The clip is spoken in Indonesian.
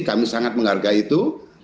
kami sangat menghargai itu